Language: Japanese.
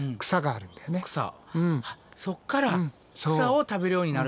そっから草を食べるようになるんや。